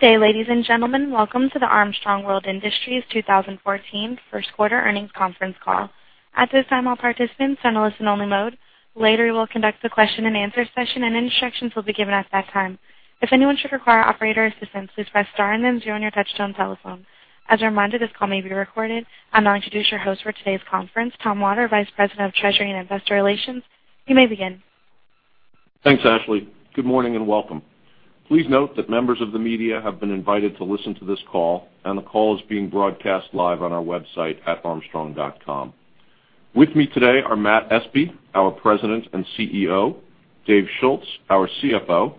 Good day, ladies and gentlemen. Welcome to the Armstrong World Industries 2014 first quarter earnings conference call. At this time, all participants are in listen only mode. Later, we will conduct a question and answer session, and instructions will be given at that time. If anyone should require operator assistance, please press star and then zero on your touchtone telephone. As a reminder, this call may be recorded. I will now introduce your host for today's conference, Tom Waters, Vice President of Treasury and Investor Relations. You may begin. Thanks, Ashley. Good morning and welcome. Please note that members of the media have been invited to listen to this call, and the call is being broadcast live on our website at armstrong.com. With me today are Matt Espe, our President and CEO, Dave Schulz, our CFO,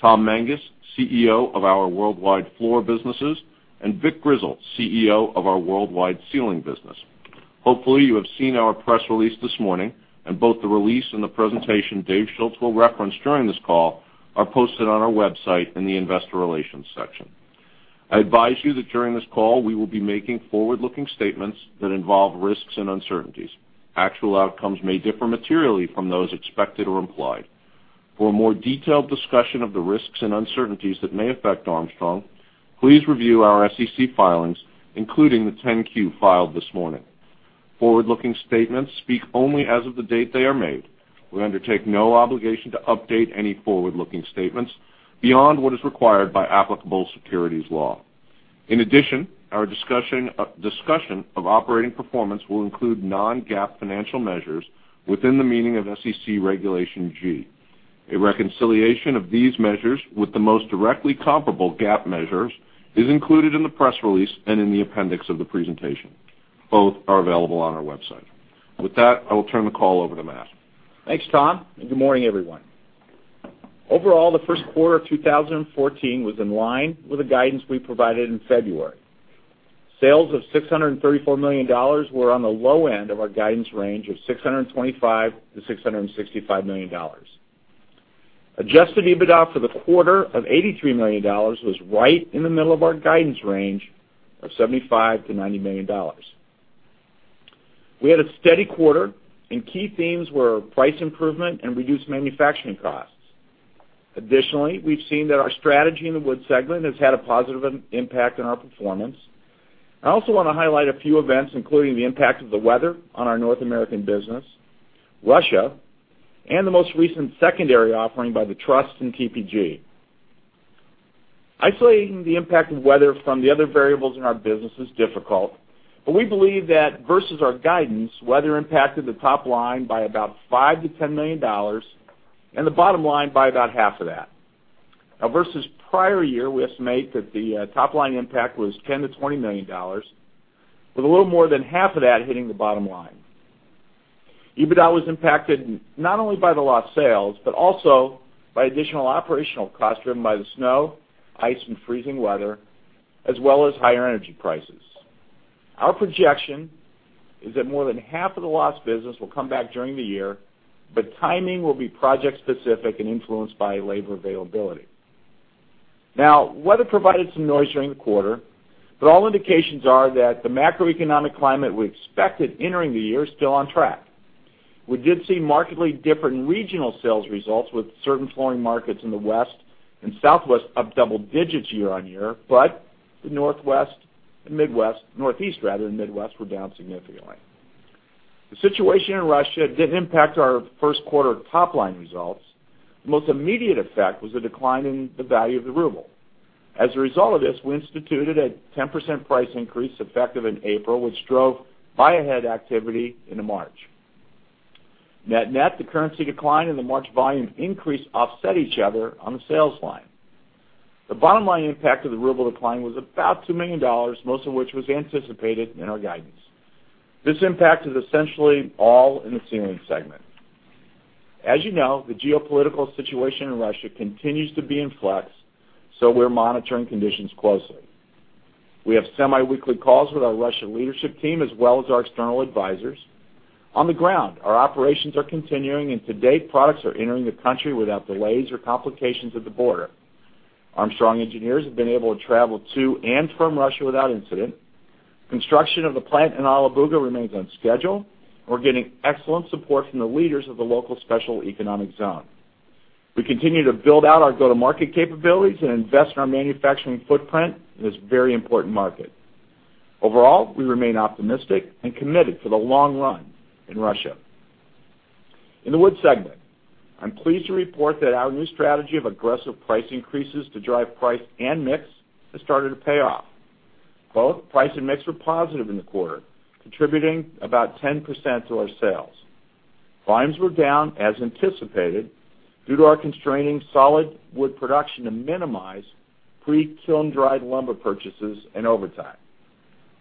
Tom Mangas, CEO of our worldwide floor businesses, and Vic Grizzle, CEO of our worldwide ceiling business. Hopefully, you have seen our press release this morning, and both the release and the presentation Dave Schulz will reference during this call are posted on our website in the investor relations section. I advise you that during this call, we will be making forward-looking statements that involve risks and uncertainties. Actual outcomes may differ materially from those expected or implied. For a more detailed discussion of the risks and uncertainties that may affect Armstrong, please review our SEC filings, including the 10-Q filed this morning. Forward-looking statements speak only as of the date they are made. We undertake no obligation to update any forward-looking statements beyond what is required by applicable securities law. In addition, our discussion of operating performance will include non-GAAP financial measures within the meaning of SEC Regulation G. A reconciliation of these measures with the most directly comparable GAAP measures is included in the press release and in the appendix of the presentation. Both are available on our website. With that, I will turn the call over to Matt. Thanks, Tom. Good morning, everyone. Overall, the first quarter of 2014 was in line with the guidance we provided in February. Sales of $634 million were on the low end of our guidance range of $625 million-$665 million. Adjusted EBITDA for the quarter of $83 million was right in the middle of our guidance range of $75 million-$90 million. We had a steady quarter, and key themes were price improvement and reduced manufacturing costs. Additionally, we have seen that our strategy in the wood segment has had a positive impact on our performance. I also want to highlight a few events, including the impact of the weather on our North American business, Russia, and the most recent secondary offering by the trust in TPG. Isolating the impact of weather from the other variables in our business is difficult, we believe that versus our guidance, weather impacted the top line by about $5 million-$10 million, and the bottom line by about half of that. Versus prior year, we estimate that the top-line impact was $10 million-$20 million, with a little more than half of that hitting the bottom line. EBITDA was impacted not only by the lost sales but also by additional operational costs driven by the snow, ice, and freezing weather, as well as higher energy prices. Our projection is that more than half of the lost business will come back during the year, but timing will be project-specific and influenced by labor availability. Weather provided some noise during the quarter, but all indications are that the macroeconomic climate we expected entering the year is still on track. We did see markedly different regional sales results, with certain flooring markets in the West and Southwest up double digits year-on-year, the Northwest and Midwest, Northeast rather than Midwest, were down significantly. The situation in Russia did impact our first quarter top-line results. The most immediate effect was a decline in the value of the ruble. As a result of this, we instituted a 10% price increase effective in April, which drove buy-ahead activity into March. Net net, the currency decline and the March volume increase offset each other on the sales line. The bottom line impact of the ruble decline was about $2 million, most of which was anticipated in our guidance. This impact is essentially all in the ceiling segment. As you know, the geopolitical situation in Russia continues to be in flux, we're monitoring conditions closely. We have semi-weekly calls with our Russian leadership team as well as our external advisors. On the ground, our operations are continuing, and to date, products are entering the country without delays or complications at the border. Armstrong engineers have been able to travel to and from Russia without incident. Construction of the plant in Alabuga remains on schedule. We're getting excellent support from the leaders of the local special economic zone. We continue to build out our go-to-market capabilities and invest in our manufacturing footprint in this very important market. Overall, we remain optimistic and committed for the long run in Russia. In the wood segment, I'm pleased to report that our new strategy of aggressive price increases to drive price and mix has started to pay off. Both price and mix were positive in the quarter, contributing about 10% to our sales. Volumes were down as anticipated due to our constraining solid wood production to minimize pre-kiln-dried lumber purchases and overtime.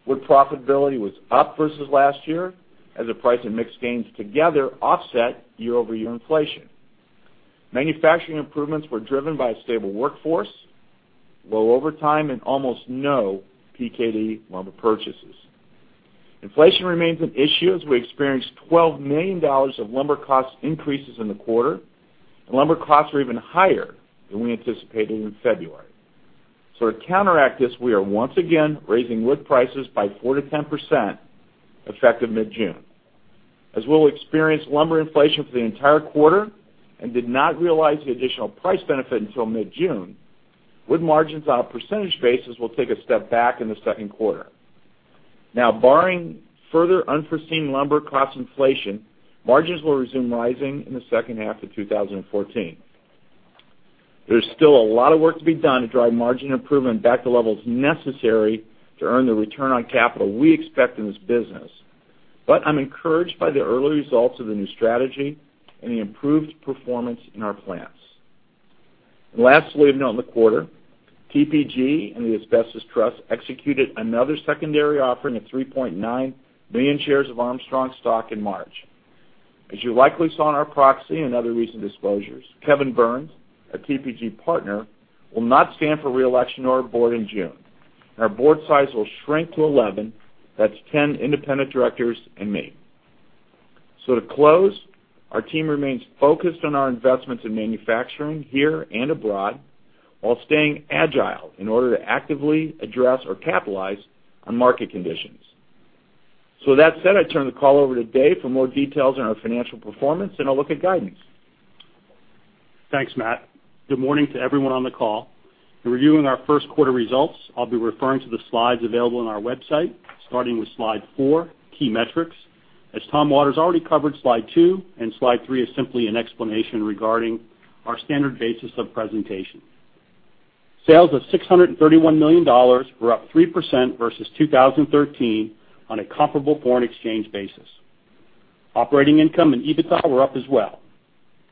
Wood profitability was up versus last year as the price and mix gains together offset year-over-year inflation. Manufacturing improvements were driven by a stable workforce, low overtime, and almost no PKD lumber purchases. Inflation remains an issue as we experienced $12 million of lumber cost increases in the quarter, and lumber costs are even higher than we anticipated in February. To counteract this, we are once again raising wood prices by 4%-10%, effective mid-June. As we'll experience lumber inflation for the entire quarter and did not realize the additional price benefit until mid-June, wood margins on a percentage basis will take a step back in the second quarter. Barring further unforeseen lumber cost inflation, margins will resume rising in the second half of 2014. There is still a lot of work to be done to drive margin improvement back to levels necessary to earn the return on capital we expect in this business. I am encouraged by the early results of the new strategy and the improved performance in our plants. Lastly to note on the quarter, TPG and the Asbestos Trust executed another secondary offering of 3.9 million shares of Armstrong stock in March. As you likely saw in our proxy and other recent disclosures, Kevin Burns, a TPG partner, will not stand for re-election to our board in June. Our board size will shrink to 11. That is 10 independent directors and me. To close, our team remains focused on our investments in manufacturing here and abroad while staying agile in order to actively address or capitalize on market conditions. With that said, I turn the call over to Dave for more details on our financial performance and a look at guidance. Thanks, Matt. Good morning to everyone on the call. In reviewing our first quarter results, I will be referring to the slides available on our website, starting with Slide four, Key Metrics, as Thomas Waters already covered Slide two, and Slide three is simply an explanation regarding our standard basis of presentation. Sales of $631 million were up 3% versus 2013 on a comparable foreign exchange basis. Operating income and EBITDA were up as well.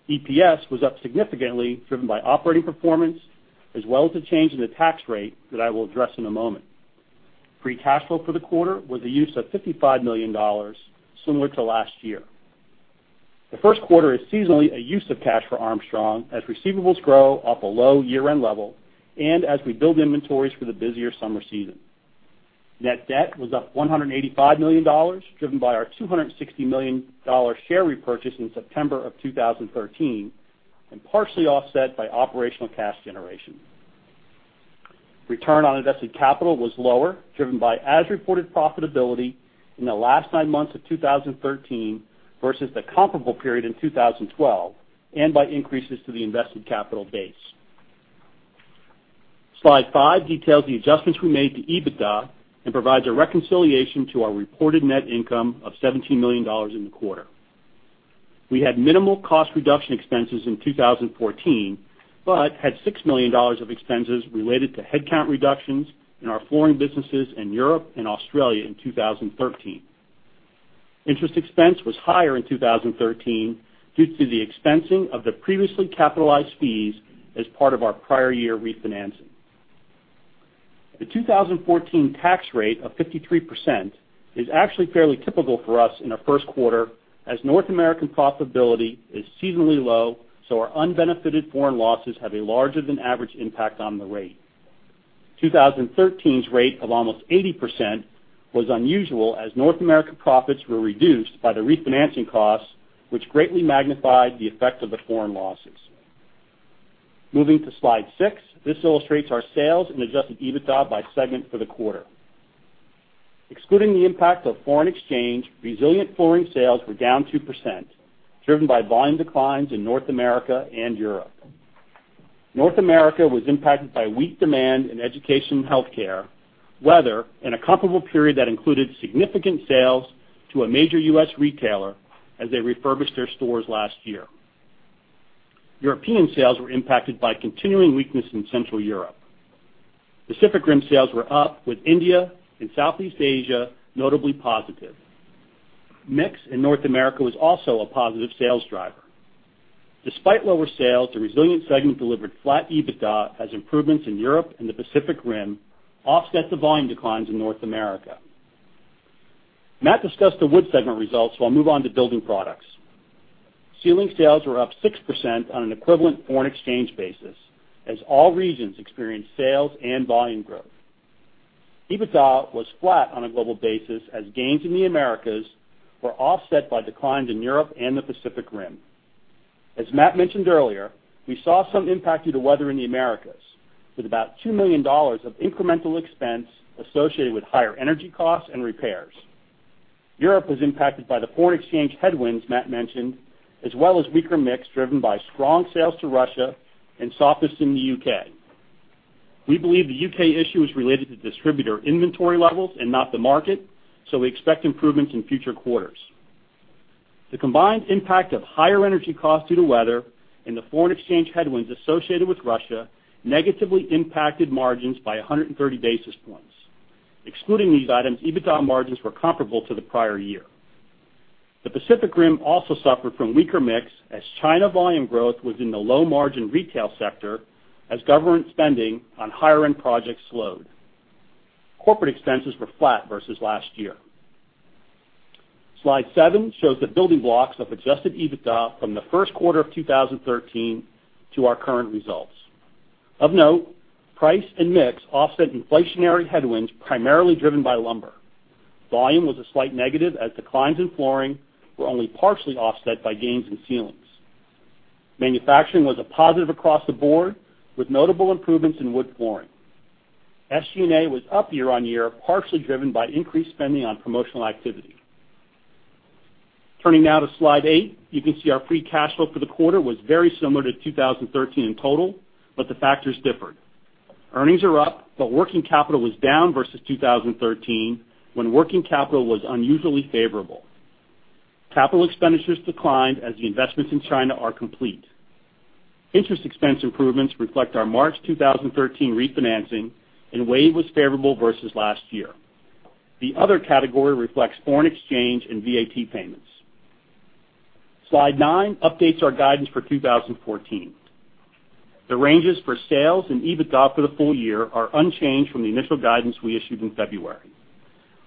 EPS was up significantly, driven by operating performance, as well as a change in the tax rate that I will address in a moment. Free cash flow for the quarter was a use of $55 million, similar to last year. The first quarter is seasonally a use of cash for Armstrong as receivables grow off a low year-end level and as we build inventories for the busier summer season. Net debt was up $185 million, driven by our $260 million share repurchase in September of 2013, and partially offset by operational cash generation. Return on invested capital was lower, driven by as-reported profitability in the last nine months of 2013 versus the comparable period in 2012, and by increases to the invested capital base. Slide five details the adjustments we made to EBITDA and provides a reconciliation to our reported net income of $17 million in the quarter. We had minimal cost reduction expenses in 2014 but had $6 million of expenses related to headcount reductions in our flooring businesses in Europe and Australia in 2013. Interest expense was higher in 2013 due to the expensing of the previously capitalized fees as part of our prior year refinancing. The 2014 tax rate of 53% is actually fairly typical for us in our first quarter, as North American profitability is seasonally low, so our unbenefited foreign losses have a larger-than-average impact on the rate. 2013's rate of almost 80% was unusual, as North American profits were reduced by the refinancing costs, which greatly magnified the effect of the foreign losses. Moving to Slide six, this illustrates our sales and adjusted EBITDA by segment for the quarter. Excluding the impact of foreign exchange, Resilient Flooring sales were down 2%, driven by volume declines in North America and Europe. North America was impacted by weak demand in education and healthcare, weather in a comparable period that included significant sales to a major U.S. retailer as they refurbished their stores last year. European sales were impacted by continuing weakness in Central Europe. Pacific Rim sales were up, with India and Southeast Asia notably positive. Mix in North America was also a positive sales driver. Despite lower sales, the Resilient segment delivered flat EBITDA as improvements in Europe and the Pacific Rim offset the volume declines in North America. Matt discussed the Wood segment results, so I'll move on to Building Products. Ceiling sales were up 6% on an equivalent foreign exchange basis, as all regions experienced sales and volume growth. EBITDA was flat on a global basis as gains in the Americas were offset by declines in Europe and the Pacific Rim. As Matt mentioned earlier, we saw some impact due to weather in the Americas, with about $2 million of incremental expense associated with higher energy costs and repairs. Europe was impacted by the foreign exchange headwinds Matt mentioned, as well as weaker mix driven by strong sales to Russia and softness in the U.K. We believe the U.K. issue is related to distributor inventory levels and not the market, so we expect improvements in future quarters. The combined impact of higher energy costs due to weather and the foreign exchange headwinds associated with Russia negatively impacted margins by 130 basis points. Excluding these items, EBITDA margins were comparable to the prior year. The Pacific Rim also suffered from weaker mix as China volume growth was in the low-margin retail sector as government spending on higher-end projects slowed. Corporate expenses were flat versus last year. Slide seven shows the building blocks of adjusted EBITDA from the first quarter of 2013 to our current results. Of note, price and mix offset inflationary headwinds primarily driven by lumber. Volume was a slight negative as declines in flooring were only partially offset by gains in ceilings. Manufacturing was a positive across the board, with notable improvements in wood flooring. SG&A was up year-on-year, partially driven by increased spending on promotional activity. Turning now to Slide eight, you can see our free cash flow for the quarter was very similar to 2013 in total, but the factors differed. Earnings are up, but working capital was down versus 2013, when working capital was unusually favorable. Capital expenditures declined as the investments in China are complete. Interest expense improvements reflect our March 2013 refinancing, and wave was favorable versus last year. The other category reflects foreign exchange and VAT payments. Slide nine updates our guidance for 2014. The ranges for sales and EBITDA for the full year are unchanged from the initial guidance we issued in February.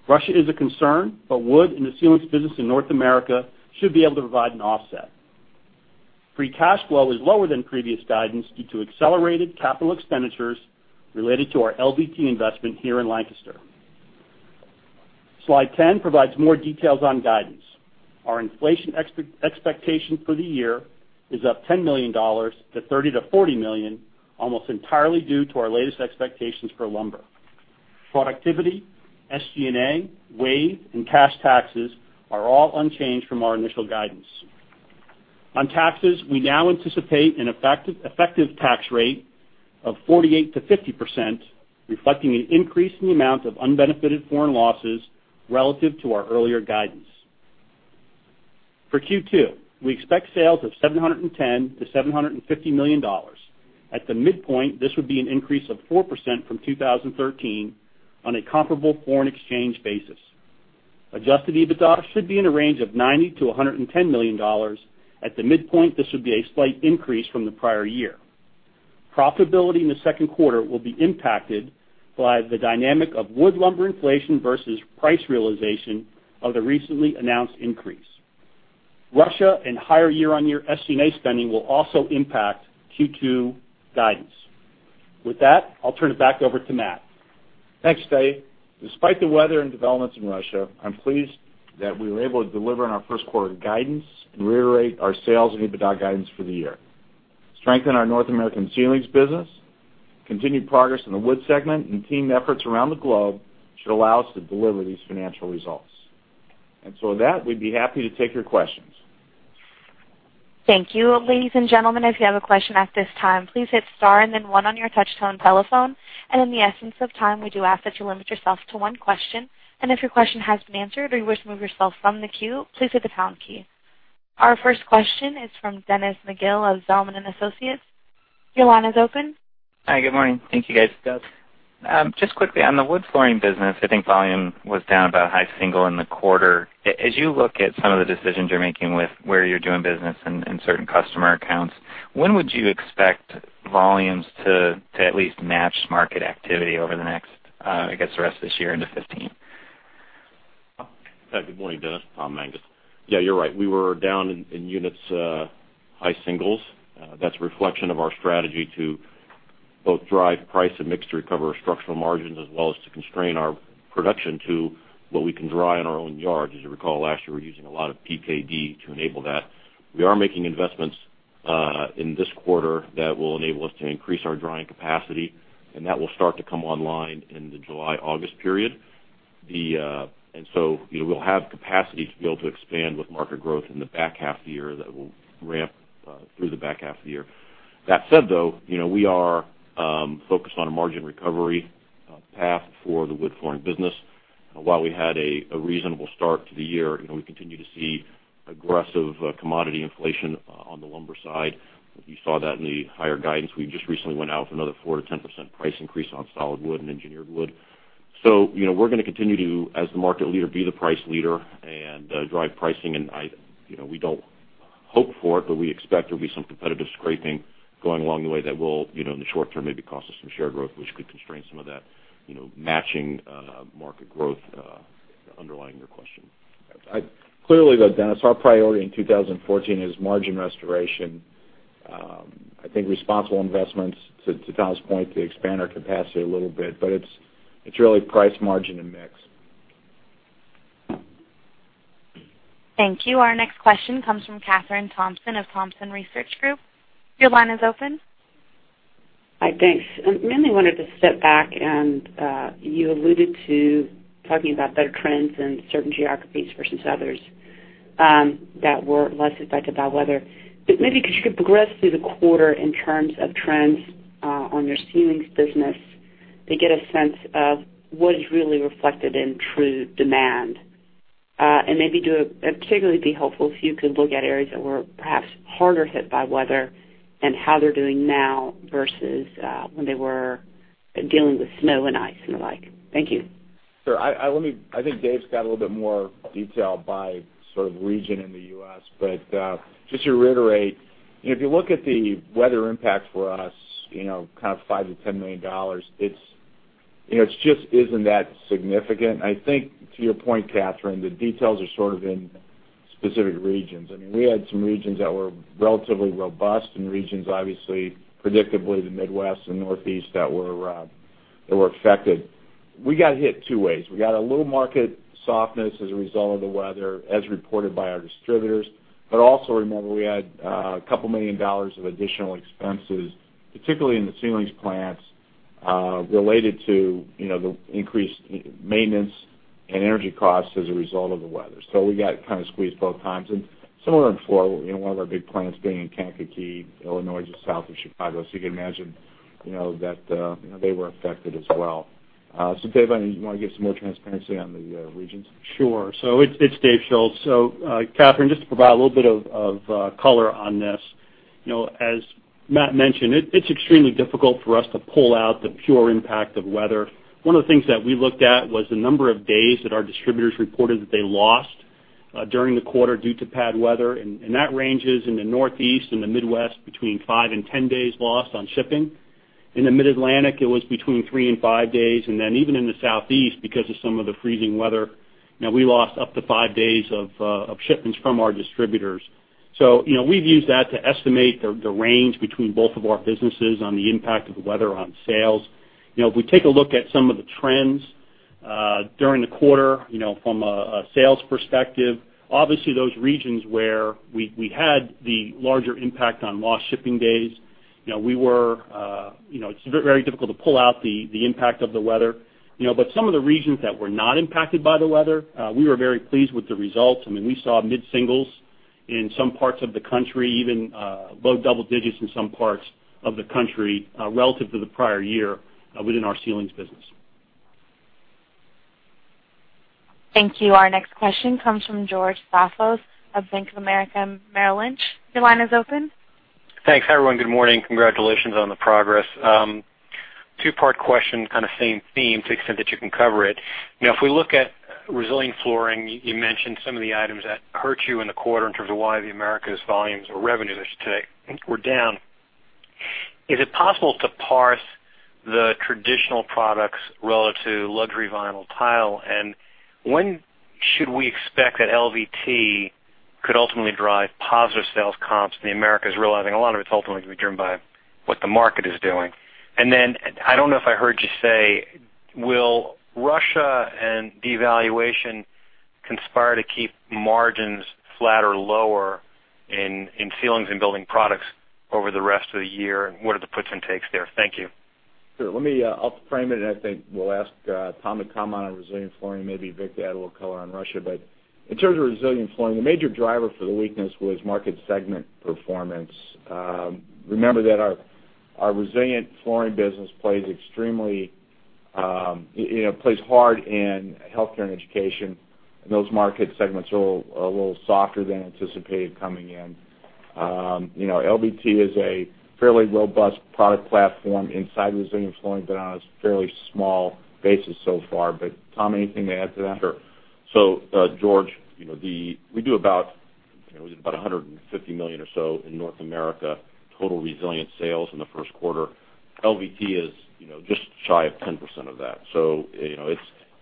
Russia is a concern, wood and the ceilings business in North America should be able to provide an offset. Free cash flow is lower than previous guidance due to accelerated capital expenditures related to our LVT investment here in Lancaster. Slide 10 provides more details on guidance. Our inflation expectation for the year is up $10 million to $30 million-$40 million, almost entirely due to our latest expectations for lumber. Productivity, SG&A, wave, and cash taxes are all unchanged from our initial guidance. On taxes, we now anticipate an effective tax rate of 48%-50%, reflecting an increase in the amount of unbenefited foreign losses relative to our earlier guidance. For Q2, we expect sales of $710 million-$750 million. At the midpoint, this would be an increase of 4% from 2013 on a comparable foreign exchange basis. Adjusted EBITDA should be in a range of $90 million-$110 million. At the midpoint, this would be a slight increase from the prior year. Profitability in the second quarter will be impacted by the dynamic of wood lumber inflation versus price realization of the recently announced increase. Russia and higher year-on-year SG&A spending will also impact Q2 guidance. I'll turn it back over to Matt. Thanks, Dave. Despite the weather and developments in Russia, I'm pleased that we were able to deliver on our first quarter guidance and reiterate our sales and EBITDA guidance for the year. Strengthen our North American ceilings business, continued progress in the wood segment and team efforts around the globe should allow us to deliver these financial results. We'd be happy to take your questions. Thank you. Ladies and gentlemen, if you have a question at this time, please hit star and then one on your touch-tone telephone. In the essence of time, we do ask that you limit yourself to one question. If your question has been answered or you wish to remove yourself from the queue, please hit the pound key. Our first question is from Dennis McGill of Zelman & Associates. Your line is open. Hi, good morning. Thank you, guys. Just quickly, on the wood flooring business, I think volume was down about high single in the quarter. As you look at some of the decisions you're making with where you're doing business in certain customer accounts, when would you expect volumes to at least match market activity over the next, I guess, the rest of this year into 2015? Good morning, Dennis. Tom Mangas. Yeah, you're right. We were down in units high singles. That's a reflection of our strategy to both drive price and mix to recover structural margins, as well as to constrain our production to what we can dry in our own yard. As you recall, last year, we were using a lot of PKD to enable that. We are making investments in this quarter that will enable us to increase our drying capacity, that will start to come online in the July, August period. We'll have capacity to be able to expand with market growth in the back half of the year. That will ramp through the back half of the year. That said, though, we are focused on a margin recovery path for the wood flooring business. While we had a reasonable start to the year, we continue to see aggressive commodity inflation on the lumber side. You saw that in the higher guidance. We just recently went out with another 4%-10% price increase on solid wood and engineered wood. We're going to continue to, as the market leader, be the price leader and drive pricing. We don't hope for it, but we expect there'll be some competitive scraping going along the way that will, in the short term, maybe cost us some share growth, which could constrain some of that matching market growth underlying your question. Clearly though, Dennis, our priority in 2014 is margin restoration. I think responsible investments, to Tom's point, to expand our capacity a little bit, it's really price, margin, and mix. Thank you. Our next question comes from Kathryn Thompson of Thompson Research Group. Your line is open. Hi, thanks. Mainly wanted to step back and you alluded to talking about better trends in certain geographies versus others that were less affected by weather. Maybe could you progress through the quarter in terms of trends on your ceilings business to get a sense of what is really reflected in true demand? Maybe it would particularly be helpful if you could look at areas that were perhaps harder hit by weather and how they are doing now versus when they were dealing with snow and ice and the like. Thank you. Sure. I think Dave's got a little bit more detail by region in the U.S., but just to reiterate, if you look at the weather impact for us, $5 million to $10 million, it just is not that significant. I think to your point, Kathryn, the details are in specific regions. We had some regions that were relatively robust and regions, obviously, predictably, the Midwest and Northeast that were affected. We got hit two ways. We got a little market softness as a result of the weather as reported by our distributors, also remember we had a couple million dollars of additional expenses, particularly in the ceilings plants, related to the increased maintenance and energy costs as a result of the weather. We got squeezed both times and similar in flooring, one of our big plants being in Kankakee, Illinois, just south of Chicago. You can imagine that they were affected as well. Dave, you want to give some more transparency on the regions? Sure. It's Dave Schulz. Kathryn, just to provide a little bit of color on this. As Matt mentioned, it's extremely difficult for us to pull out the pure impact of weather. One of the things that we looked at was the number of days that our distributors reported that they lost during the quarter due to bad weather, and that ranges in the Northeast and the Midwest between five and 10 days lost on shipping. In the mid-Atlantic, it was between three and five days, and then even in the Southeast, because of some of the freezing weather, we lost up to five days of shipments from our distributors. We've used that to estimate the range between both of our businesses on the impact of the weather on sales. If we take a look at some of the trends, during the quarter, from a sales perspective, obviously those regions where we had the larger impact on lost shipping days, it's very difficult to pull out the impact of the weather. Some of the regions that were not impacted by the weather, we were very pleased with the results. I mean, we saw mid-singles in some parts of the country, even low double digits in some parts of the country, relative to the prior year, within our ceilings business. Thank you. Our next question comes from George Staphos of Bank of America Merrill Lynch. Your line is open. Thanks, everyone. Good morning. Congratulations on the progress. Two-part question, same theme to the extent that you can cover it. If we look at Resilient Flooring, you mentioned some of the items that hurt you in the quarter in terms of why the Americas volumes or revenues, I should say, were down. Is it possible to parse the traditional products relative to luxury vinyl tile, and when should we expect that LVT could ultimately drive positive sales comps in the Americas, realizing a lot of it's ultimately going to be driven by what the market is doing? I don't know if I heard you say, will Russia and devaluation conspire to keep margins flat or lower in ceilings and Building Products over the rest of the year, and what are the puts and takes there? Thank you. Sure. I'll frame it and I think we'll ask Tom to comment on Resilient Flooring and maybe Vic to add a little color on Russia. In terms of Resilient Flooring, the major driver for the weakness was market segment performance. Remember that our Resilient Flooring business plays hard in healthcare and education, and those market segments are a little softer than anticipated coming in. LVT is a fairly robust product platform inside Resilient Flooring, but on a fairly small basis so far. Tom, anything to add to that? Sure. George, we do about $150 million or so in North America, total Resilient sales in the first quarter. LVT is just shy of 10% of that.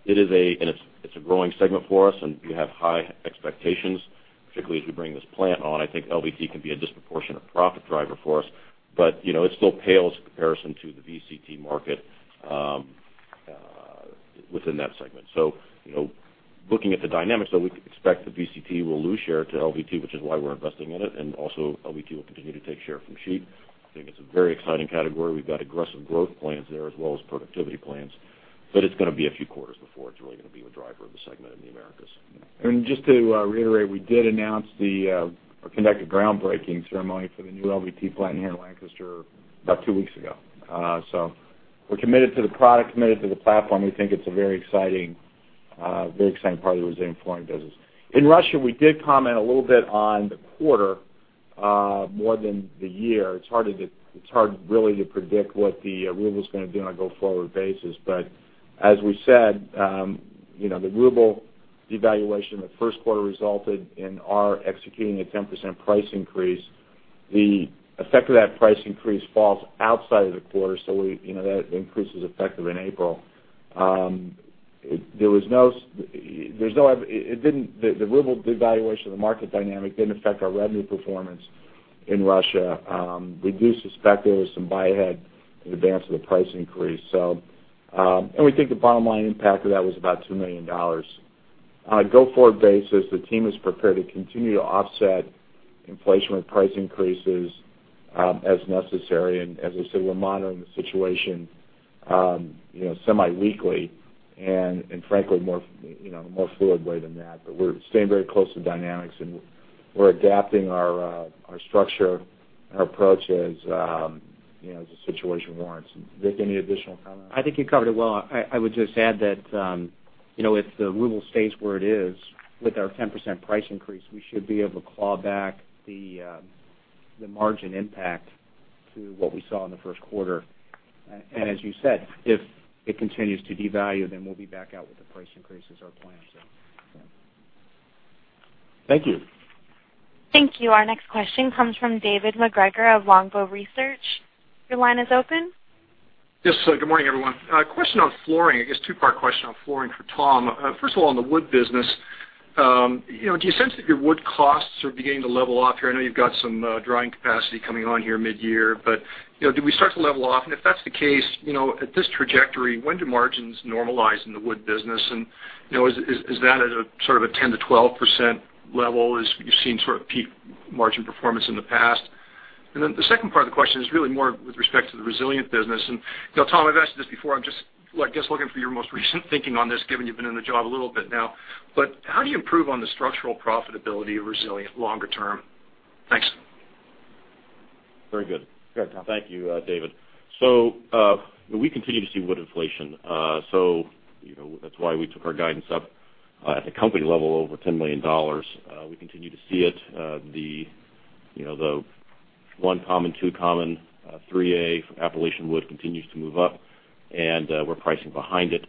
It's a growing segment for us, and we have high expectations, particularly as we bring this plant on. I think LVT can be a disproportionate profit driver for us. It still pales in comparison to the VCT market within that segment. Looking at the dynamics, though, we could expect the VCT will lose share to LVT, which is why we're investing in it, and also LVT will continue to take share from sheet. I think it's a very exciting category. We've got aggressive growth plans there as well as productivity plans. It's going to be a few quarters before it's really going to be the driver of the segment in the Americas. Just to reiterate, we did announce or conducted the groundbreaking ceremony for the new LVT plant here in Lancaster about two weeks ago. We're committed to the product, committed to the platform. We think it's a very exciting part of the Resilient Flooring business. In Russia, we did comment a little bit on the quarter, more than the year. It's hard really to predict what the ruble's going to do on a go-forward basis. As we said, the ruble devaluation in the first quarter resulted in our executing a 10% price increase. The effect of that price increase falls outside of the quarter, so that increase was effective in April. The ruble devaluation, the market dynamic didn't affect our revenue performance in Russia. We do suspect there was some buy-ahead in advance of the price increase. We think the bottom-line impact of that was about $2 million. On a go-forward basis, the team is prepared to continue to offset inflation with price increases as necessary. As I said, we're monitoring the situation semi-weekly and frankly, a more fluid way than that. We're staying very close to the dynamics, and we're adapting our structure and our approach as the situation warrants. Vic, any additional comment on that? I think you covered it well. I would just add that if the ruble stays where it is, with our 10% price increase, we should be able to claw back the margin impact to what we saw in the first quarter. As you said, if it continues to devalue, we'll be back out with the price increase as our plan. Thank you. Thank you. Our next question comes from David Macgregor of Longbow Research. Your line is open. Yes, good morning, everyone. A question on flooring, I guess two-part question on flooring for Tom. First of all, on the wood business. Do you sense that your wood costs are beginning to level off here? I know you've got some drying capacity coming on here mid-year, but do we start to level off? If that's the case, at this trajectory, when do margins normalize in the wood business? Is that at a 10%-12% level as you've seen peak margin performance in the past? The second part of the question is really more with respect to the resilient business. Tom, I've asked you this before, I'm just looking for your most recent thinking on this, given you've been in the job a little bit now. How do you improve on the structural profitability of resilient longer term? Thanks. Very good. Go ahead, Tom. Thank you, David. We continue to see wood inflation. That's why we took our guidance up at the company level over $10 million. We continue to see it. The one common, two common, 3A Appalachian wood continues to move up, and we're pricing behind it.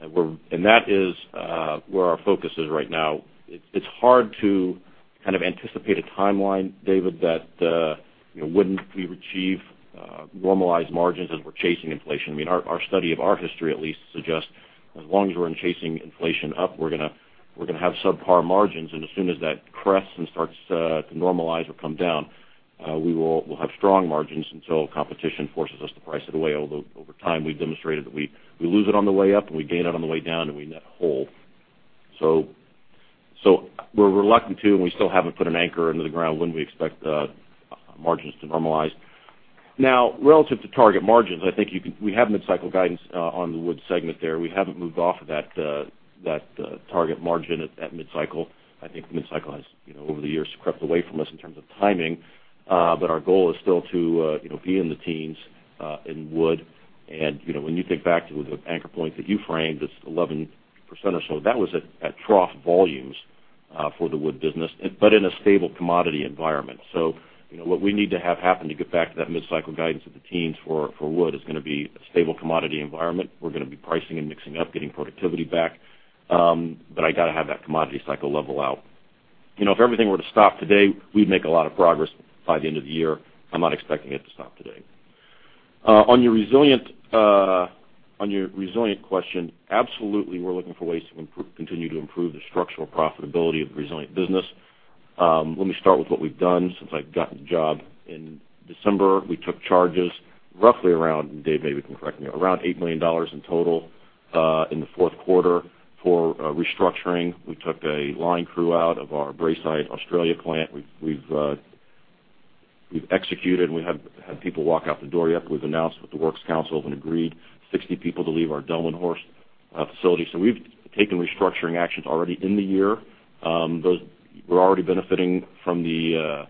That is where our focus is right now. It's hard to anticipate a timeline, David, that wouldn't we achieve normalized margins as we're chasing inflation. Our study of our history, at least, suggests as long as we're in chasing inflation up, we're going to have subpar margins. As soon as that crests and starts to normalize or come down, we'll have strong margins until competition forces us to price it away, although over time, we've demonstrated that we lose it on the way up, and we gain it on the way down, and we net whole. We're reluctant to, and we still haven't put an anchor into the ground when we expect margins to normalize. Now, relative to target margins, I think we have mid-cycle guidance on the wood segment there. We haven't moved off of that target margin at mid-cycle. I think mid-cycle has, over the years, crept away from us in terms of timing. Our goal is still to be in the teens in wood. When you think back to the anchor points that you framed, this 11% or so, that was at trough volumes for the wood business but in a stable commodity environment. What we need to have happen to get back to that mid-cycle guidance of the teens for wood is going to be a stable commodity environment. We're going to be pricing and mixing up, getting productivity back. I got to have that commodity cycle level out. If everything were to stop today, we'd make a lot of progress by the end of the year. I'm not expecting it to stop today. On your resilient question, absolutely, we're looking for ways to continue to improve the structural profitability of the resilient business. Let me start with what we've done since I've gotten the job in December. We took charges roughly around, Dave, maybe you can correct me, around $8 million in total in the fourth quarter for restructuring. We took a line crew out of our Braeside, Australia plant. We've executed, and we have had people walk out the door. Yep, we've announced with the Works Council and agreed 60 people to leave our Delmenhorst facility. We've taken restructuring actions already in the year. We're already benefiting from the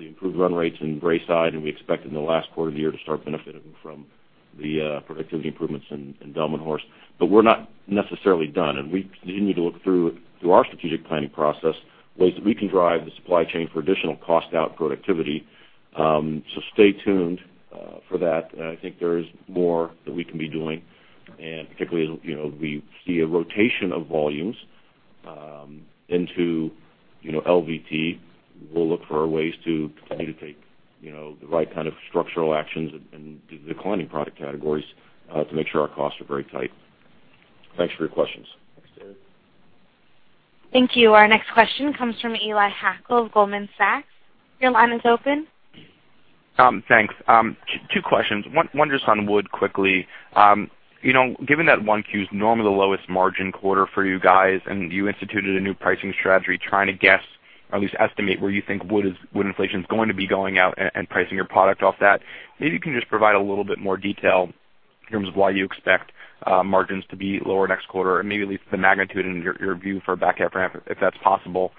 improved run rates in Braeside, and we expect in the last quarter of the year to start benefiting from the productivity improvements in Delmenhorst. We're not necessarily done, and we continue to look through our strategic planning process ways that we can drive the supply chain for additional cost out productivity. Stay tuned for that. I think there is more that we can be doing, and particularly as we see a rotation of volumes into LVT. We'll look for ways to continue to take the right kind of structural actions in the declining product categories to make sure our costs are very tight. Thanks for your questions. Thanks, David. Thank you. Our next question comes from Eli Hackel of Goldman Sachs. Your line is open. Thanks. Two questions. One just on wood quickly. Given that 1Q is normally the lowest margin quarter for you guys, and you instituted a new pricing strategy, trying to guess or at least estimate where you think wood inflation is going to be going out and pricing your product off that. Maybe you can just provide a little bit more detail in terms of why you expect margins to be lower next quarter, and maybe at least the magnitude and your view for back half, if that's possible.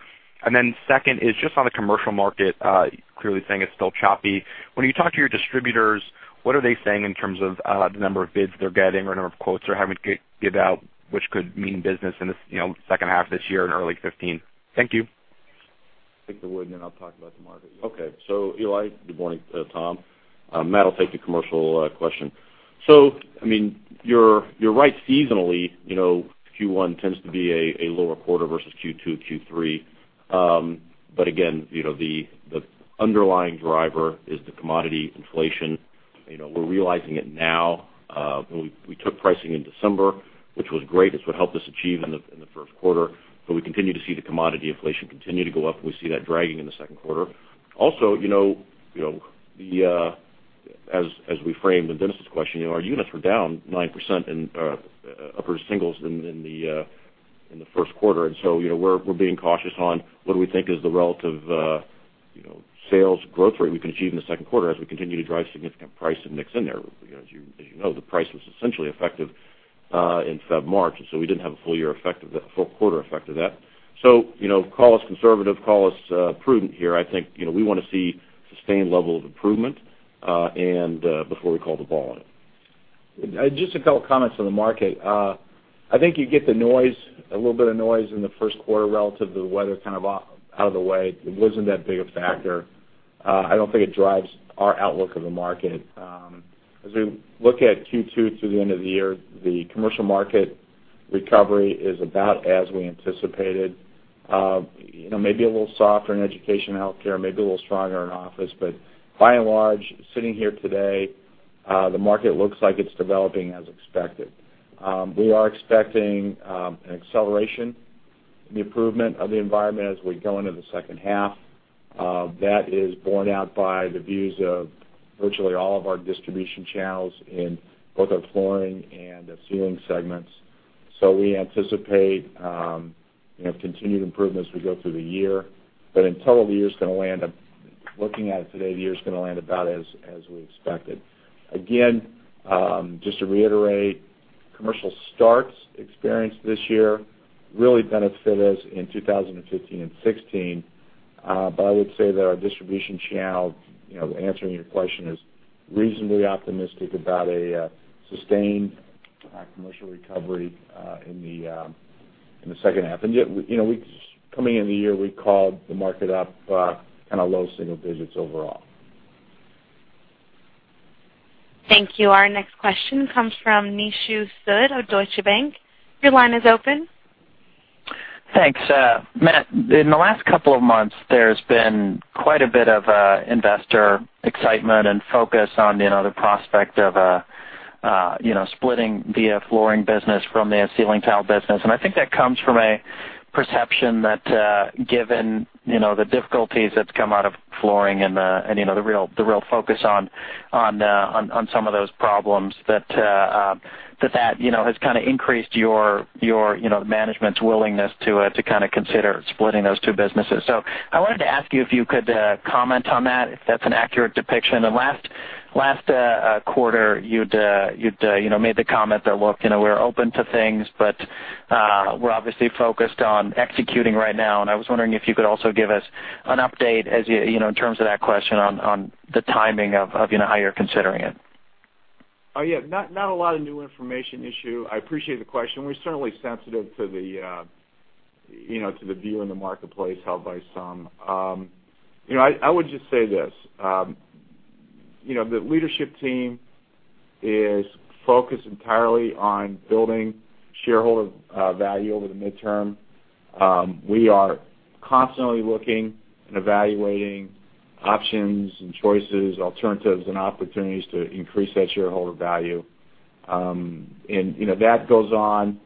Second is just on the commercial market, clearly saying it's still choppy. When you talk to your distributors, what are they saying in terms of the number of bids they're getting or number of quotes they're having to give out, which could mean business in the second half of this year and early 2015? Thank you. Take the wood, I'll talk about the market. Okay. Eli, good morning, Tom. Matt will take the commercial question. You're right seasonally, Q1 tends to be a lower quarter versus Q2, Q3. Again, the underlying driver is the commodity inflation. We're realizing it now. We took pricing in December, which was great. It's what helped us achieve in the first quarter. We continue to see the commodity inflation continue to go up. We see that dragging in the second quarter. Also, as we framed in Dennis' question, our units were down 9% in upper singles in the first quarter. We're being cautious on what we think is the relative sales growth rate we can achieve in the second quarter as we continue to drive significant price and mix in there. As you know, the price was essentially effective in Feb/March, we didn't have a full quarter effect of that. Call us conservative, call us prudent here. I think we want to see sustained level of improvement before we call the ball on it. Just a couple of comments on the market. I think you get a little bit of noise in the first quarter relative to the weather kind of out of the way. It wasn't that big a factor. I don't think it drives our outlook of the market. As we look at Q2 through the end of the year, the commercial market recovery is about as we anticipated. Maybe a little softer in education, healthcare, maybe a little stronger in office. By and large, sitting here today, the market looks like it's developing as expected. We are expecting an acceleration in the improvement of the environment as we go into the second half. That is borne out by the views of virtually all of our distribution channels in both our flooring and our ceiling segments. We anticipate continued improvements as we go through the year. In total, looking at it today, the year is going to land about as we expected. Again, just to reiterate, commercial starts experienced this year really benefited us in 2015 and 2016. I would say that our distribution channel, answering your question, is reasonably optimistic about a sustained commercial recovery in the second half. Yet, coming into the year, we called the market up low single digits overall. Thank you. Our next question comes from Nishu Sood of Deutsche Bank. Your line is open. Thanks. Matt, in the last couple of months, there's been quite a bit of investor excitement and focus on the prospect of splitting the flooring business from the ceiling tile business. I think that comes from a perception that, given the difficulties that's come out of flooring and the real focus on some of those problems, that has increased your management's willingness to consider splitting those two businesses. I wanted to ask you if you could comment on that, if that's an accurate depiction. Last quarter, you'd made the comment that, "Look, we're open to things, but we're obviously focused on executing right now." I was wondering if you could also give us an update in terms of that question on the timing of how you're considering it. Oh, yeah. Not a lot of new information, Nishu. I appreciate the question. We're certainly sensitive to the view in the marketplace held by some. I would just say this. The leadership team is focused entirely on building shareholder value over the midterm. We are constantly looking and evaluating options and choices, alternatives and opportunities to increase that shareholder value. That goes on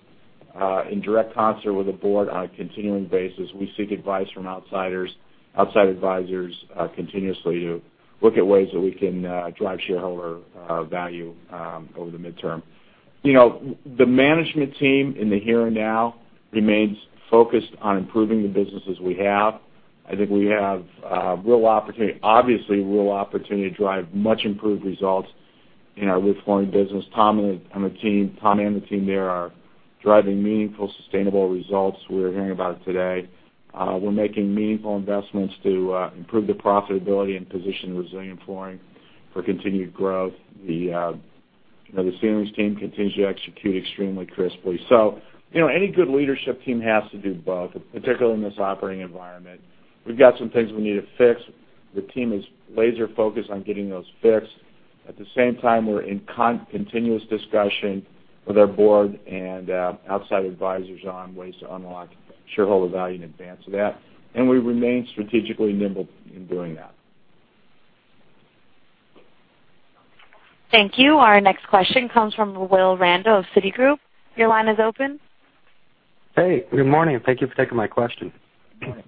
in direct concert with the board on a continuing basis. We seek advice from outside advisors continuously to look at ways that we can drive shareholder value over the midterm. The management team in the here and now remains focused on improving the businesses we have. I think we have, obviously, real opportunity to drive much improved results in our wood flooring business. Tom and the team there are driving meaningful, sustainable results we're hearing about today. We're making meaningful investments to improve the profitability and position Resilient Flooring for continued growth. The Ceilings team continues to execute extremely crisply. Any good leadership team has to do both, particularly in this operating environment. We've got some things we need to fix. The team is laser-focused on getting those fixed. At the same time, we're in continuous discussion with our board and outside advisors on ways to unlock shareholder value in advance of that. We remain strategically nimble in doing that. Thank you. Our next question comes from Will Randow of Citigroup. Your line is open. Hey, good morning. Thank you for taking my question. Good morning.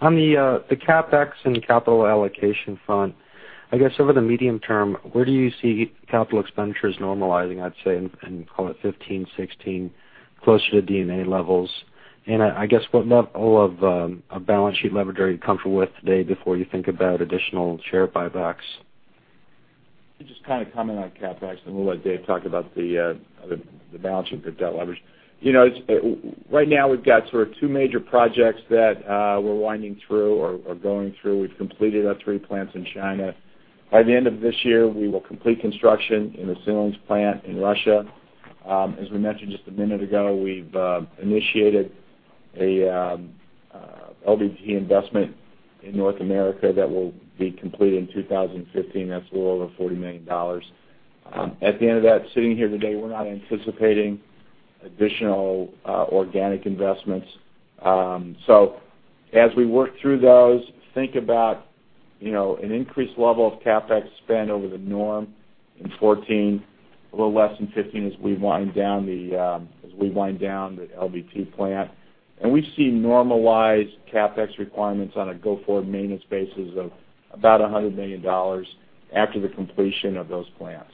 On the CapEx and capital allocation front, I guess over the medium term, where do you see capital expenditures normalizing, I'd say, and call it 2015, 2016, closer to D&A levels? I guess what level of balance sheet leverage are you comfortable with today before you think about additional share buybacks? Let me just comment on CapEx, and we'll let Dave talk about the balance sheet, the debt leverage. Right now, we've got two major projects that we're winding through or going through. We've completed our three plants in China. By the end of this year, we will complete construction in the Ceilings plant in Russia. As we mentioned just a minute ago, we've initiated a LVT investment in North America that will be complete in 2015. That's a little over $40 million. At the end of that, sitting here today, we're not anticipating additional organic investments. As we work through those, think about an increased level of CapEx spend over the norm in 2014, a little less in 2015 as we wind down the LVT plant. We see normalized CapEx requirements on a go-forward maintenance basis of about $100 million after the completion of those plants.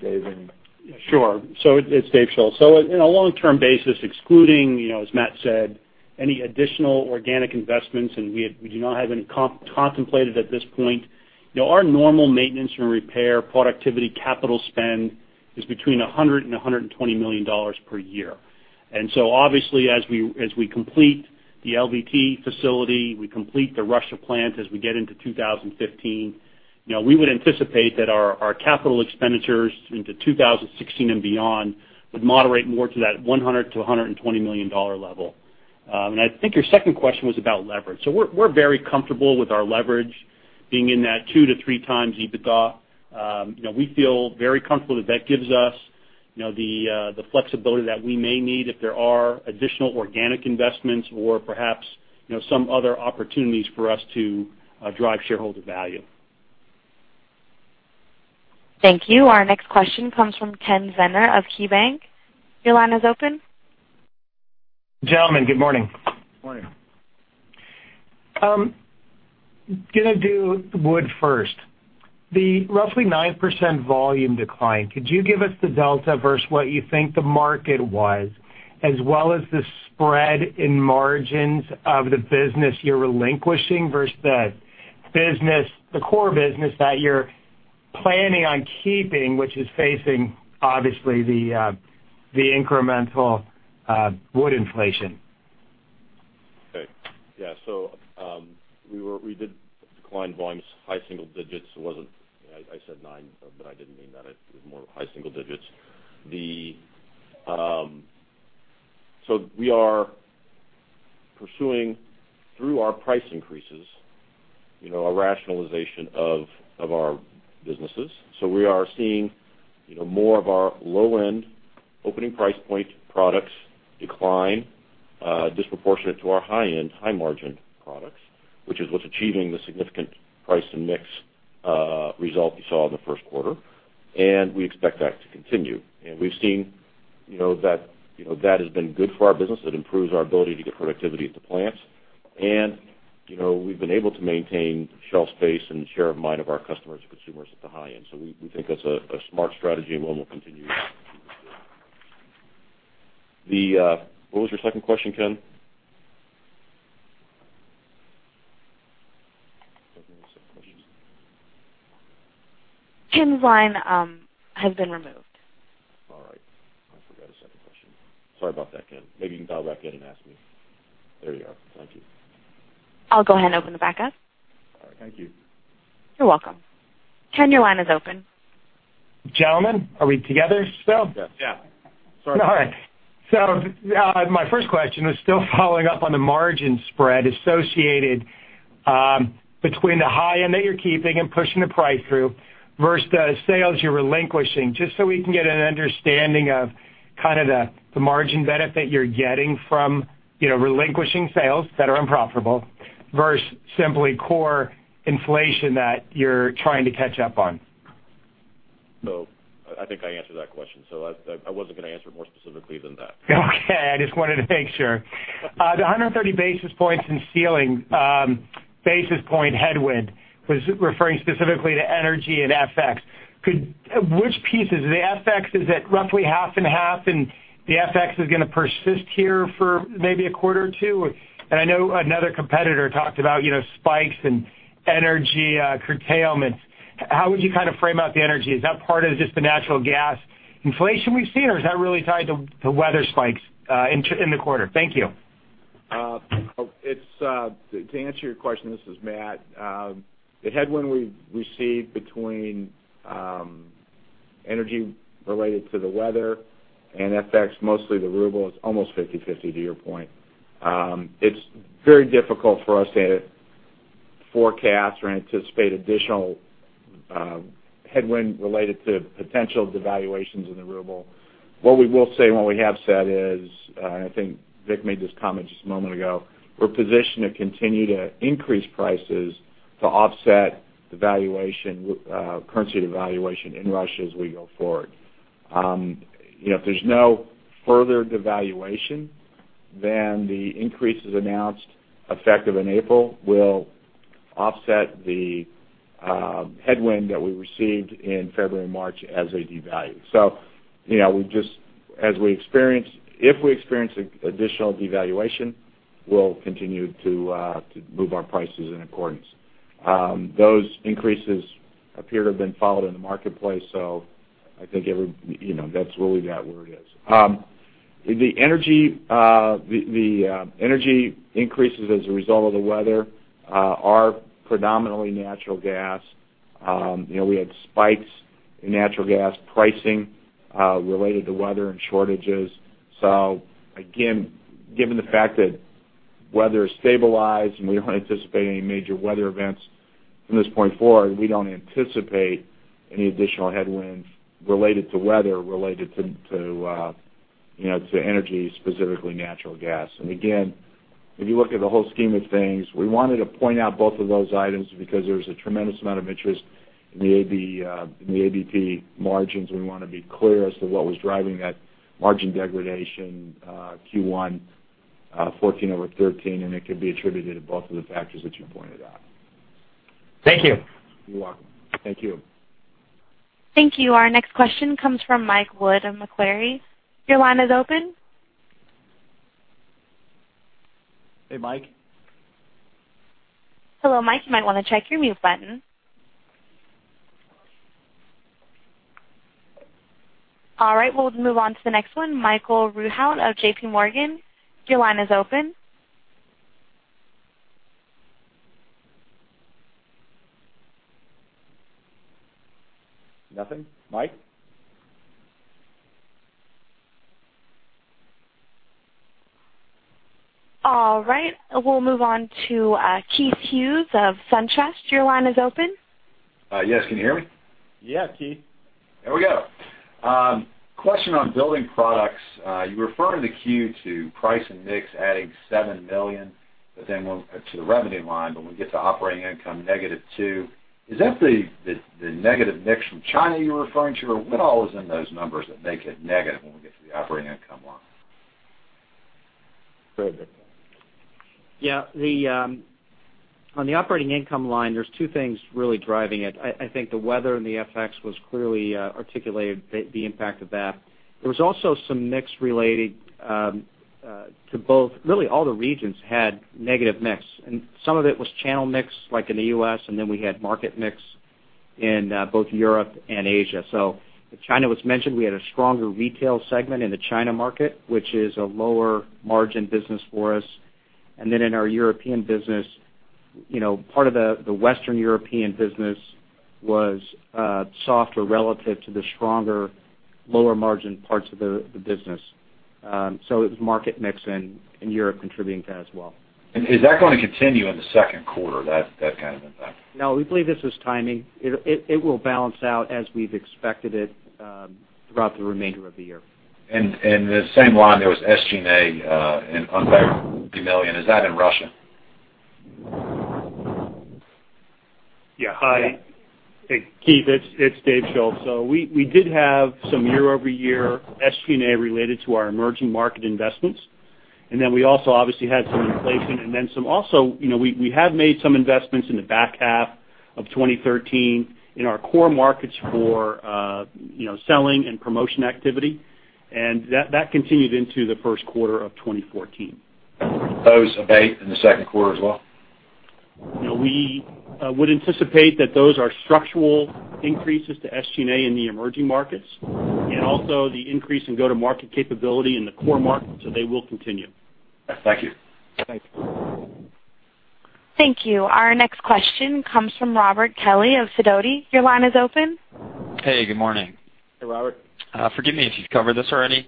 Dave, any- Sure. It's Dave Schulz. In a long-term basis, excluding, as Matt Espe said, any additional organic investments, and we do not have any contemplated at this point, our normal maintenance and repair productivity capital spend is between $100 million-$120 million per year. Obviously, as we complete the LVT facility, we complete the Russia plant as we get into 2015, we would anticipate that our capital expenditures into 2016 and beyond would moderate more to that $100 million-$120 million level. I think your second question was about leverage. We're very comfortable with our leverage being in that two to three times EBITDA. We feel very comfortable that that gives us the flexibility that we may need if there are additional organic investments or perhaps some other opportunities for us to drive shareholder value. Thank you. Our next question comes from Ken Zener of KeyBank. Your line is open. Gentlemen, good morning. Morning. I'm going to do wood first. The roughly 9% volume decline, could you give us the delta versus what you think the market was, as well as the spread in margins of the business you're relinquishing versus the core business that you're planning on keeping, which is facing obviously the incremental wood inflation? Okay. Yeah. We did decline volumes high single digits. I said nine, but I didn't mean that. It was more high single digits. We are pursuing through our price increases a rationalization of our businesses. We are seeing more of our low-end opening price point products decline disproportionate to our high-end, high-margin products, which is what's achieving the significant price and mix result you saw in the first quarter. We expect that to continue. We've seen that has been good for our business. It improves our ability to get productivity at the plants. And we've been able to maintain shelf space and share of mind of our customers and consumers at the high end. We think that's a smart strategy and one we'll continue to pursue. What was your second question, Ken? What was your second question? Ken's line has been removed. All right. I forgot his second question. Sorry about that, Ken. Maybe you can dial back in and ask me. There you are. Thank you. I'll go ahead and open the backup. All right, thank you. You're welcome. Ken, your line is open. Gentlemen, are we together still? Yes. Yeah. All right. My first question was still following up on the margin spread associated between the high end that you're keeping and pushing the price through versus the sales you're relinquishing, just so we can get an understanding of kind of the margin benefit you're getting from relinquishing sales that are unprofitable versus simply core inflation that you're trying to catch up on. I think I answered that question. I wasn't going to answer it more specifically than that. Okay. I just wanted to make sure. The 130 basis points in ceiling, basis point headwind was referring specifically to energy and FX. Which pieces? The FX, is it roughly half and half, and the FX is going to persist here for maybe a quarter or two? I know another competitor talked about spikes in energy curtailment. How would you kind of frame out the energy? Is that part of just the natural gas inflation we've seen, or is that really tied to weather spikes in the quarter? Thank you. To answer your question, this is Matt. The headwind we received between energy related to the weather and FX, mostly the ruble, is almost 50/50 to your point. It's very difficult for us to forecast or anticipate additional headwind related to potential devaluations in the ruble. What we will say and what we have said is, and I think Vic made this comment just a moment ago, we're positioned to continue to increase prices to offset the currency devaluation in Russia as we go forward. If there's no further devaluation, the increases announced effective in April will offset the headwind that we received in February and March as they devalue. If we experience additional devaluation, we'll continue to move our prices in accordance. Those increases appear to have been followed in the marketplace, so I think that's really where it is. The energy increases as a result of the weather are predominantly natural gas. We had spikes in natural gas pricing related to weather and shortages. Again, given the fact that weather has stabilized and we don't anticipate any major weather events from this point forward, we don't anticipate any additional headwinds related to weather, related to energy, specifically natural gas. Again, if you look at the whole scheme of things, we wanted to point out both of those items because there's a tremendous amount of interest in the ABP margins. We want to be clear as to what was driving that margin degradation Q1 2014 over 2013, and it could be attributed to both of the factors that you pointed out. Thank you. You're welcome. Thank you. Thank you. Our next question comes from Mike Wood of Macquarie. Your line is open. Hey, Mike. Hello, Mike. You might want to check your mute button. All right. We'll move on to the next one, Michael Rehaut of J.P. Morgan. Your line is open. Nothing? Mike? All right. We'll move on to Keith Hughes of SunTrust. Your line is open. Yes. Can you hear me? Keith. There we go. Question on Building Products. You refer in the 10-Q to price and mix adding $7 million to the revenue line, but when we get to operating income, negative $2. Is that the negative mix from China you're referring to? What all is in those numbers that make it negative when we get to the operating income line? Go ahead, Vic. Yeah. On the operating income line, there are two things really driving it. I think the weather and the FX was clearly articulated, the impact of that. There was also some mix related to both. Really, all the regions had negative mix, and some of it was channel mix, like in the U.S., and then we had market mix in both Europe and Asia. China was mentioned. We had a stronger retail segment in the China market, which is a lower margin business for us. In our European business, part of the Western European business was softer relative to the stronger, lower margin parts of the business. It was market mix in Europe contributing to that as well. Is that going to continue in the second quarter, that kind of impact? No, we believe this is timing. It will balance out as we've expected it throughout the remainder of the year. The same line, there was SG&A, an unfavorable $50 million. Is that in Russia? Hi. Hey, Keith, it's Dave Schulz. We did have some year-over-year SG&A related to our emerging market investments. We also obviously had some inflation. We have made some investments in the back half of 2013 in our core markets for selling and promotion activity. That continued into the first quarter of 2014. Those abate in the second quarter as well? We would anticipate that those are structural increases to SG&A in the emerging markets and also the increase in go-to-market capability in the core markets, so they will continue. Thank you. Thanks. Thank you. Our next question comes from Robert Kelly of Sidoti. Your line is open. Hey, good morning. Hey, Robert. Forgive me if you've covered this already.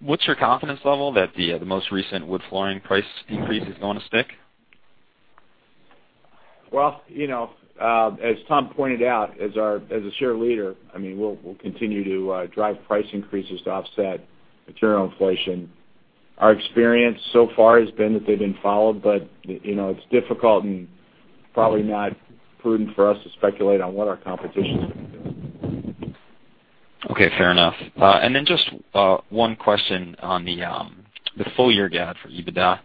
What's your confidence level that the most recent wood flooring price increase is going to stick? As Tom pointed out, as a share leader, we'll continue to drive price increases to offset material inflation. Our experience so far has been that they've been followed, but it's difficult and probably not prudent for us to speculate on what our competition's going to do. Fair enough. Just one question on the full year guide for EBITDA.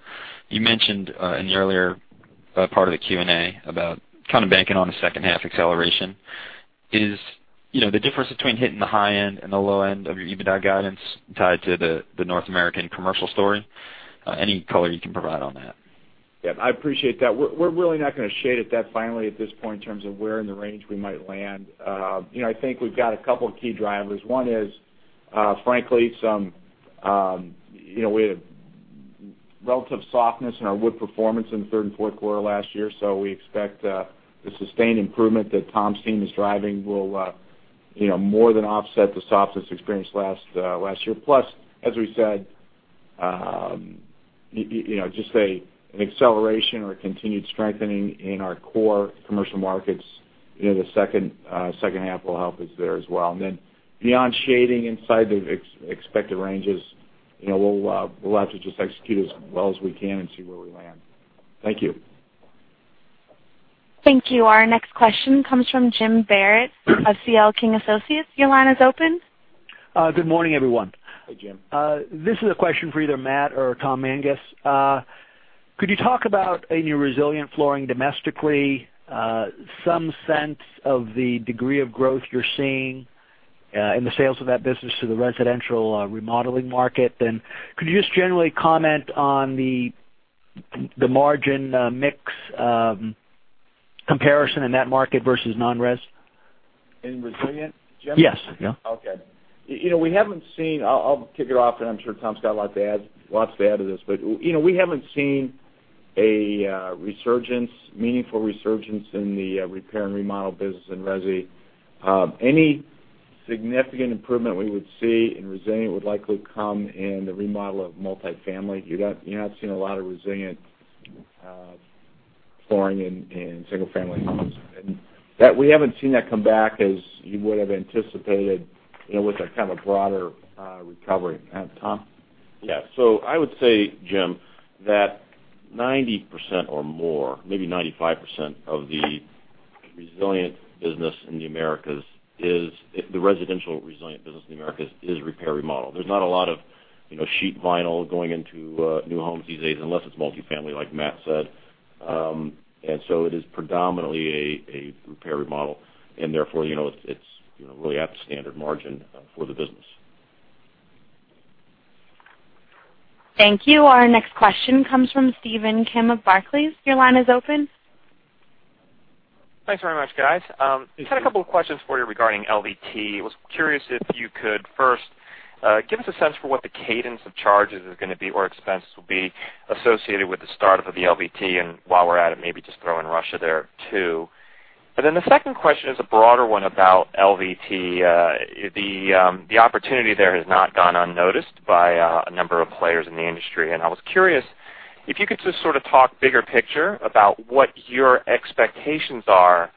You mentioned in the earlier part of the Q&A about kind of banking on a second half acceleration. Is the difference between hitting the high end and the low end of your EBITDA guidance tied to the North American commercial story? Any color you can provide on that? I appreciate that. We're really not going to shade at that finely at this point in terms of where in the range we might land. I think we've got a couple of key drivers. One is, frankly, we had a relative softness in our wood performance in the third and fourth quarter last year. We expect the sustained improvement that Tom's team is driving will more than offset the softness experienced last year. Plus, as we said, just say an acceleration or a continued strengthening in our core commercial markets in the second half will help us there as well. Beyond shading inside the expected ranges, we'll have to just execute as well as we can and see where we land. Thank you. Thank you. Our next question comes from Jim Barrett of C.L. King & Associates. Your line is open. Good morning, everyone. Hey, Jim. This is a question for either Matt or Tom Mangas. Could you talk about, in your Resilient Flooring domestically, some sense of the degree of growth you're seeing in the sales of that business to the residential remodeling market? Could you just generally comment on the margin mix comparison in that market versus non-res? In Resilient, Jim? Yes. I'll kick it off. I'm sure Tom's got lots to add to this. We haven't seen a meaningful resurgence in the repair and remodel business in resi. Any significant improvement we would see in resilient would likely come in the remodel of multifamily. You're not seeing a lot of resilient flooring in single-family homes. We haven't seen that come back as you would've anticipated with a kind of broader recovery. Tom? Yeah. I would say, Jim, that 90% or more, maybe 95%, of the residential resilient business in the Americas is repair, remodel. There's not a lot of sheet vinyl going into new homes these days unless it's multifamily, like Matt said. It is predominantly a repair, remodel and therefore, it's really at the standard margin for the business. Thank you. Our next question comes from Stephen Kim of Barclays. Your line is open. Thanks very much, guys. I had a couple of questions for you regarding LVT. I was curious if you could first give us a sense for what the cadence of charges is going to be or expenses will be associated with the start of the LVT, and while we're at it, maybe just throw in Russia there, too. The second question is a broader one about LVT. The opportunity there has not gone unnoticed by a number of players in the industry, and I was curious if you could just sort of talk bigger picture about what your expectations are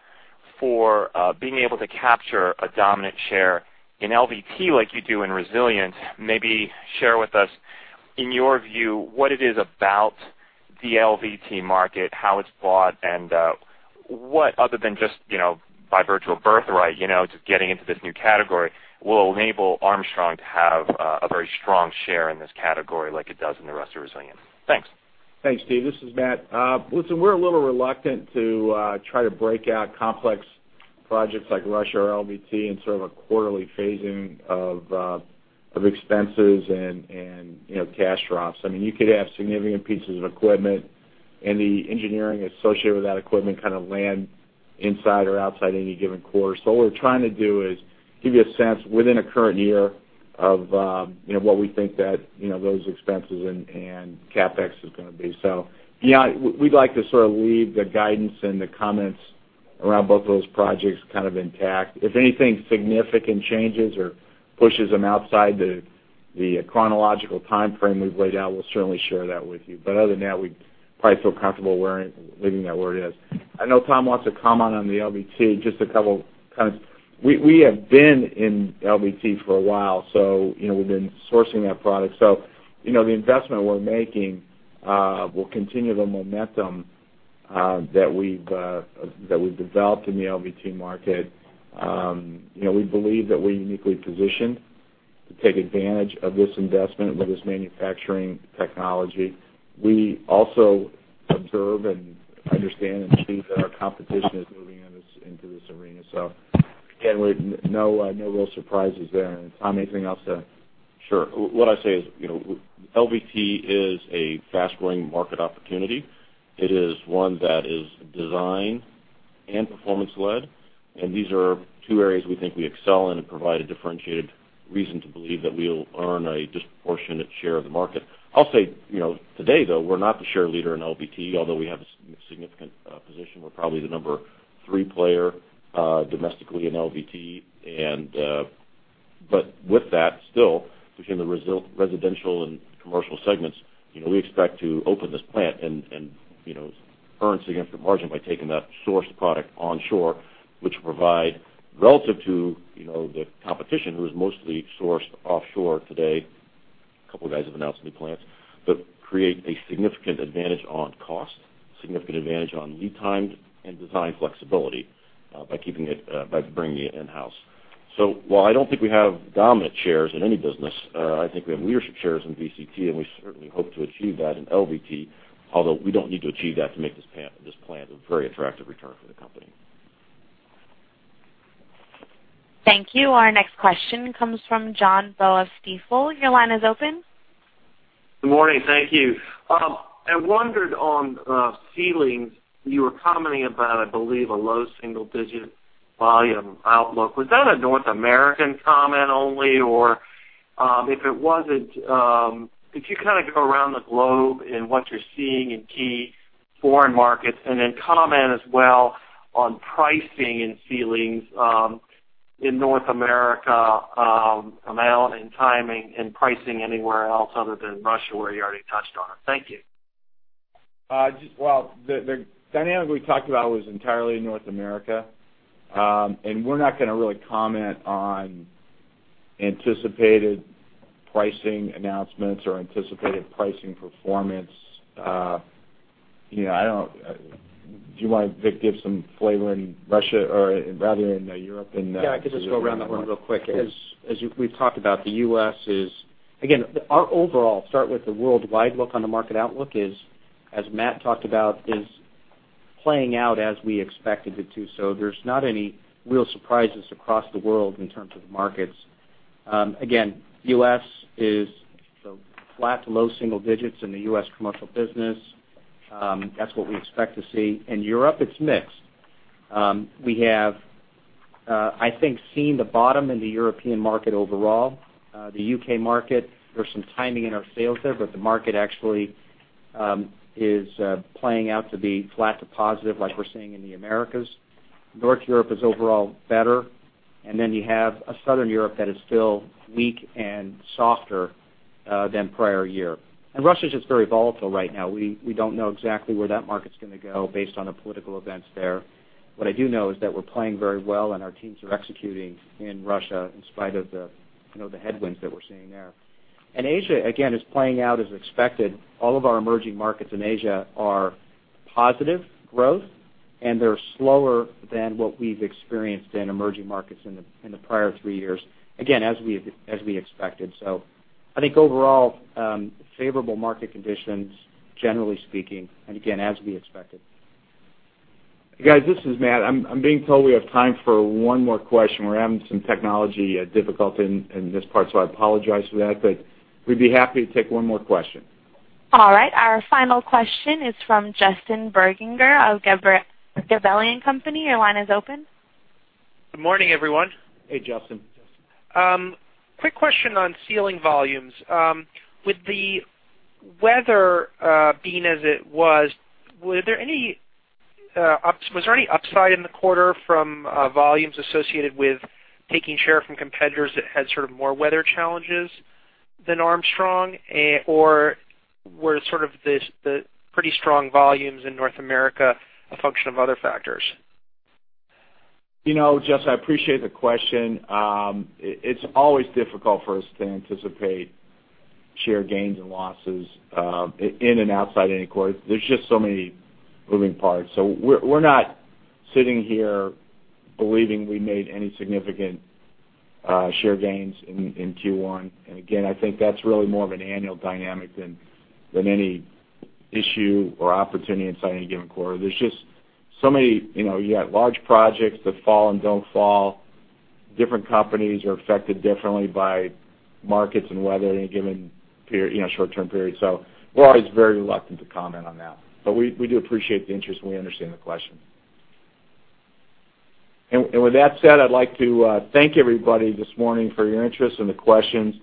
for being able to capture a dominant share in LVT like you do in resilient. Maybe share with us, in your view, what it is about the LVT market, how it's bought, and what, other than just by virtual birth right, just getting into this new category, will enable Armstrong to have a very strong share in this category like it does in the rest of resilient. Thanks. Thanks, Steve. This is Matt. Listen, we're a little reluctant to try to break out complex projects like Russia or LVT in sort of a quarterly phasing of expenses and cash drops. You could have significant pieces of equipment and the engineering associated with that equipment kind of land inside or outside any given quarter. What we're trying to do is give you a sense within a current year of what we think that those expenses and CapEx is going to be. Yeah, we'd like to sort of leave the guidance and the comments around both of those projects kind of intact. If anything significant changes or pushes them outside the chronological timeframe we've laid out, we'll certainly share that with you. Other than that, we'd probably feel comfortable leaving that where it is. I know Tom wants to comment on the LVT. We have been in LVT for a while, so we've been sourcing that product. The investment we're making will continue the momentum that we've developed in the LVT market. We believe that we're uniquely positioned to take advantage of this investment with this manufacturing technology. We also observe and understand and see that our competition is moving into this arena. Again, no real surprises there. Tom, anything else to add? Sure. What I say is, LVT is a fast-growing market opportunity. It is one that is design and performance led, and these are two areas we think we excel in and provide a differentiated reason to believe that we will earn a disproportionate share of the market. I will say, today, though, we are not the share leader in LVT, although we have a significant position. We are probably the number 3 player domestically in LVT. With that, still, between the residential and commercial segments, we expect to open this plant and earn significant margin by taking that sourced product onshore, which will provide, relative to the competition, who is mostly sourced offshore today, a couple of guys have announced new plans, but create a significant advantage on cost, significant advantage on lead times, and design flexibility by bringing it in-house. While I do not think we have dominant shares in any business, I think we have leadership shares in VCT, and we certainly hope to achieve that in LVT, although we do not need to achieve that to make this plant a very attractive return for the company. Thank you. Our next question comes from John Baugh, Stifel. Your line is open. Good morning. Thank you. I wondered on ceilings, you were commenting about, I believe, a low single-digit volume outlook. Was that a North American comment only? Or if it was not, could you kind of go around the globe in what you are seeing in key foreign markets, and then comment as well on pricing in ceilings in North America, amount and timing and pricing anywhere else other than Russia, where you already touched on it? Thank you. Well, the dynamic we talked about was entirely North America. We're not going to really comment on anticipated pricing announcements or anticipated pricing performance. Do you mind, Vic, give some flavor in Russia or rather in Europe? Yeah, I could just go around that one real quick. As we've talked about, the U.S. is again, our overall start with the worldwide look on the market outlook is, as Matt talked about, is playing out as we expected it to. There's not any real surprises across the world in terms of the markets. Again, the U.S. is the flat to low single digits in the U.S. commercial business. That's what we expect to see. In Europe, it's mixed. We have, I think, seen the bottom in the European market overall. The U.K. market, there's some timing in our sales there, but the market actually is playing out to be flat to positive like we're seeing in the Americas. North Europe is overall better, and then you have a Southern Europe that is still weak and softer than prior year. Russia's just very volatile right now. We don't know exactly where that market's going to go based on the political events there. What I do know is that we're playing very well and our teams are executing in Russia in spite of the headwinds that we're seeing there. Asia, again, is playing out as expected. All of our emerging markets in Asia are positive growth, and they're slower than what we've experienced in emerging markets in the prior three years. Again, as we expected. I think overall, favorable market conditions, generally speaking, and again, as we expected. Guys, this is Matt. I'm being told we have time for one more question. We're having some technology difficulty in this part, so I apologize for that, but we'd be happy to take one more question. All right. Our final question is from Justin Bergner of Gabelli & Company. Your line is open. Good morning, everyone. Hey, Justin. Quick question on ceiling volumes. With the weather being as it was there any upside in the quarter from volumes associated with taking share from competitors that had sort of more weather challenges than Armstrong? Or were sort of the pretty strong volumes in North America a function of other factors? Justin, I appreciate the question. It's always difficult for us to anticipate share gains and losses in and outside any quarter. There's just so many moving parts. We're not sitting here believing we made any significant share gains in Q1. Again, I think that's really more of an annual dynamic than any issue or opportunity inside any given quarter. You got large projects that fall and don't fall. Different companies are affected differently by markets and weather in a given short-term period. We're always very reluctant to comment on that. We do appreciate the interest, and we understand the question. With that said, I'd like to thank everybody this morning for your interest and the questions,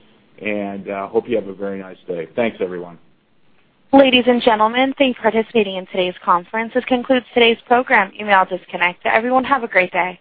and hope you have a very nice day. Thanks, everyone. Ladies and gentlemen, thanks for participating in today's conference. This concludes today's program. You may all disconnect. Everyone, have a great day.